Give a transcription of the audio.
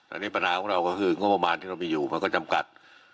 อันนี้ปัญหาของเราก็คืองบประมาณที่เรามีอยู่มันก็จำกัด